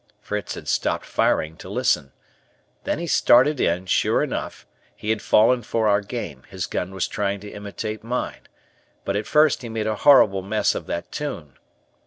Fritz had stopped firing to listen. Then he started in; sure enough, he had fallen for our game, his gun was trying to imitate mine, but, at first he made a horrible mess of that tune.